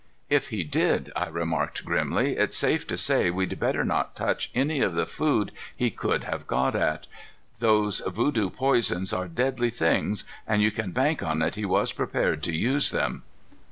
"If he did," I remarked grimly, "it's safe to say we'd better not touch any of the food he could have got at. Those voodoo poisons are deadly things, and you can bank on it he was prepared to use them."